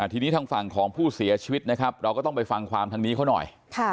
ทีนี้ทางฝั่งของผู้เสียชีวิตนะครับเราก็ต้องไปฟังความทางนี้เขาหน่อย